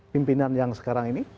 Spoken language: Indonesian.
pemilihan yang sekarang ini